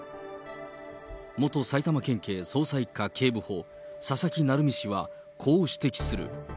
元埼玉県警捜査１課警部補、佐々木成三氏はこう指摘する。